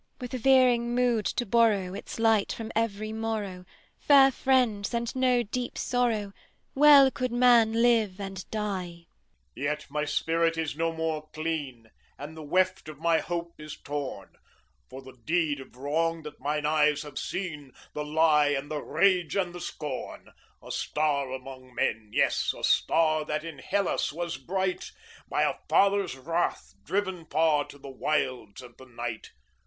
With a veering mood to borrow Its light from every morrow, Fair friends and no deep sorrow, Well could man live and die! Men Yet my spirit is no more clean, And the weft of my hope is torn, For the deed of wrong that mine eyes have seen, The lie and the rage and the scorn; A Star among men, yea, a Star That in Hellas was bright, By a Father's wrath driven far To the wilds and the night.